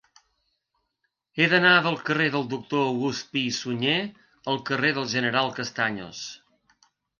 He d'anar del carrer del Doctor August Pi i Sunyer al carrer del General Castaños.